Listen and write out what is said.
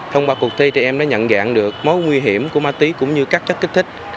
thông qua cuộc thi em đã nhận dạng được mối nguy hiểm của ma túy cũng như các chất kích thích